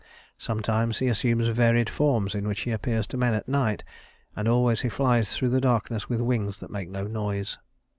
Sometimes he assumes varied forms in which he appears to men at night, and always he flies through the darkness with wings that make no noise.